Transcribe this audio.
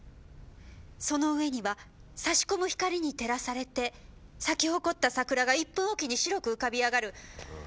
その上には差し込む光に照らされて咲き誇った桜が１分おきに白く浮かびあがる」。